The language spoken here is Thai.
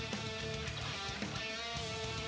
มีความรู้สึกว่า